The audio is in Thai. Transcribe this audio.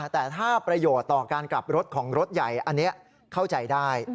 แต่ถ้าประโยชน์ต่อการกลับรถของรถใหญ่อันนี้เข้าใจได้